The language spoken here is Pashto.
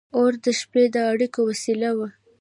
• اور د شپې د اړیکو وسیله وه.